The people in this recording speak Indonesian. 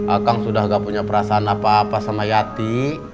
akang sudah gak punya perasaan apa apa sama yati